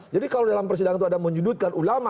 jadi kalau dalam persidangan itu ada menyudutkan ulama